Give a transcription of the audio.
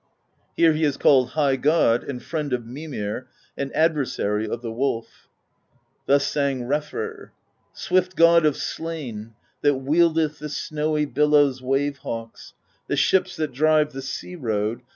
Here he is called High God, and Friend of Mimir, and Adversary of the Wolf. Thus sang Refr: Swift God of Slain, that wieldeth The snowy billow's wave hawks, The ships that drive the sea road.